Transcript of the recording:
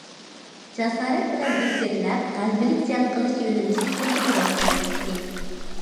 جاسارەت بىلەن ئىلگىرىلەپ، غەلىبىلىك جەڭ قىلىش يۆنىلىشى تېخىمۇ روشەنلەشتى.